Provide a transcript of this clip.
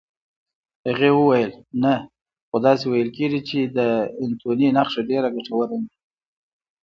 هغې وویل: نه، خو داسې ویل کېږي چې د انتوني نخښه ډېره ګټوره وي.